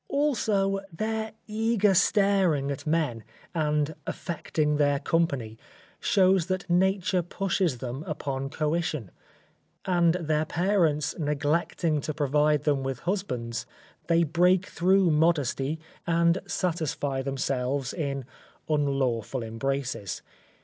Also, their eager staring at men, and affecting their company, shows that nature pushes them upon coition; and their parents neglecting to provide them with husbands, they break through modesty and satisfy themselves in unlawful embraces.